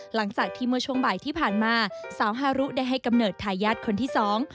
หลังจากที่เมื่อช่วงบ่ายที่ผ่านมาสาวฮารุได้ให้กำเนิดทายาทคนที่สอง